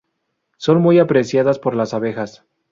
Son muy apreciadas por las abejas.